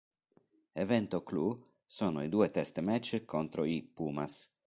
Evento clou sono i due test match contro i "Pumas".